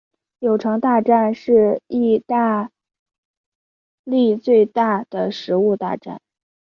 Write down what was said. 柳橙大战是义大利最大的食物大战。